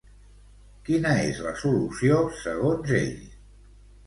Quina és la solució, segons ell?